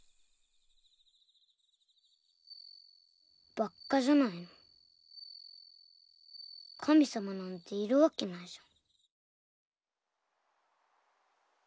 ばっかじゃないの神様なんているわけないじゃん。